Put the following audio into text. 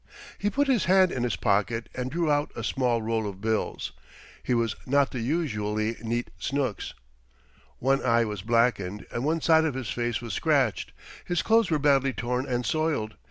He put his hand in his pocket and drew out a small roll of bills. He was not the usually neat Snooks. One eye was blackened and one side of his face was scratched. His clothes were badly torn and soiled.